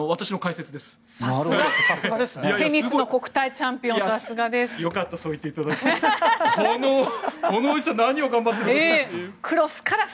テニスの国体チャンピオンさすがです。